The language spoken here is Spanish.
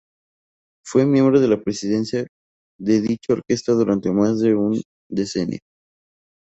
Fue miembro de la Presidencia de dicha Orquesta durante más de un decenio.